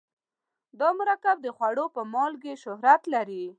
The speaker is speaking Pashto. دا مرکب د خوړو په مالګې شهرت لري.